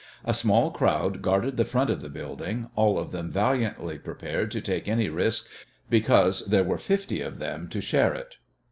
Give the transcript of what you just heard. A small crowd guarded the front of the building, all of them valiantly prepared to take any risk because there were fifty of them to share it.